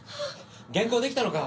原稿できたのか？